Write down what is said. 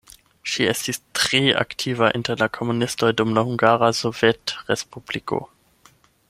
Ŝi estis tre aktiva inter la komunistoj dum la Hungara Sovetrespubliko.